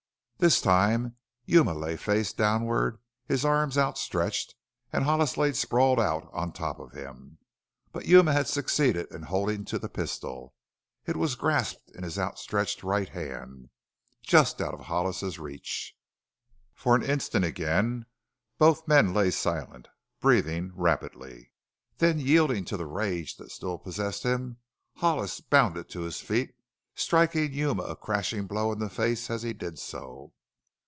This time Yuma lay face downward, his arms outstretched, and Hollis lay sprawled out on top of him. But Yuma had succeeded in holding to the pistol; it was grasped in his outstretched right hand, just out of Hollis's reach. For an instant again both men lay silent, breathing rapidly. Then, yielding to the rage that still possessed him, Hollis bounded to his feet, striking Yuma a crashing blow in the face as he did so.